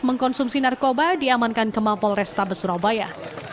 mengkonsumsi narkoba diamankan kemampol restabe surabaya